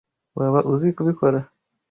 Waba uzi kubikora?